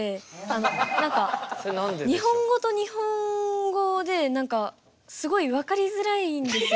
何か日本語と日本語で何かすごい分かりづらいんですよ。